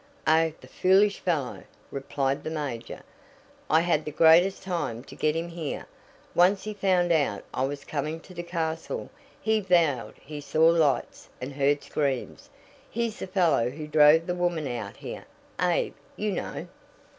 "Oh, the foolish fellow," replied the major. "I had the greatest time to get him here, once he found out I was coming to the castle. He vowed he saw lights, and heard screams. He's the fellow who drove the woman out here Abe, you know."